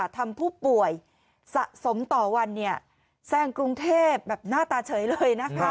ทำผู้ป่วยสะสมต่อวันแซ่งกรุงเทพแบบหน้าตาเฉยเลยนะคะ